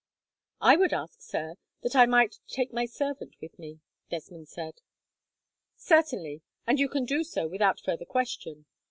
"I would ask, sir, that I might take my servant with me," Desmond said. "Certainly; and you can do so without further question.